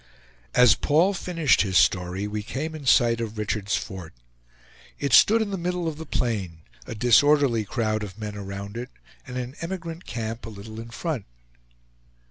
As Paul finished his story we came in sight of Richard's Fort. It stood in the middle of the plain; a disorderly crowd of men around it, and an emigrant camp a little in front.